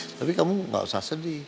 tapi kamu nggak usah sedih